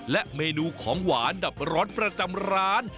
และเมนูของหวานดับร้อนประจำร้าน